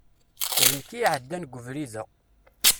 D nekk i iɛeddan g ubrid-a.